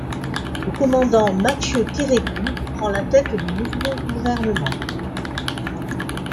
Le commandant Mathieu Kérékou prend la tête du nouveau gouvernement.